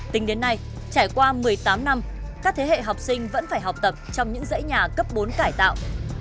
tính đến nay trải qua một mươi tám năm các thế hệ học sinh vẫn phải học tập trong những dãy nhà cấp bốn cải tạo